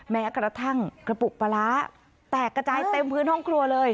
แม้กระทั่งกระปุกปลาร้าแตกกระจายเต็มพื้นห้องครัวเลย